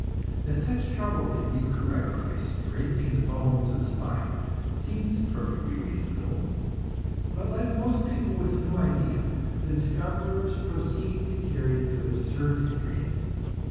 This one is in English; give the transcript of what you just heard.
That such trouble can be corrected by straightening the bones of the spine, seems perfectly reasonable; but like most people with a new idea, the discoverers proceed to carry it to absurd extremes.